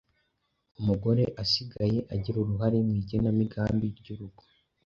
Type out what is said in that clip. Umugore asigaye agira uruhare mu igenamigambi ry’urugo,